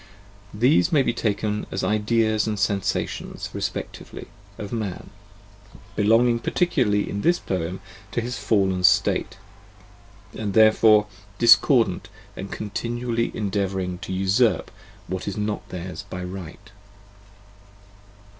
These may be taken as the ideas and sensations, respectively, of Man: belonging particularly in this poem to his fallen state, and therefore discordant and continually endeavouring to usurp what is not theirs by right.